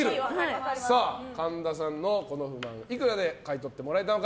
神田さんのこの不満いくらで買い取ってもらえたのか。